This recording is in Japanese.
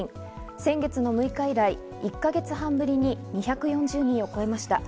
先月の６日以来、１か月半ぶりに２４０人を超えました。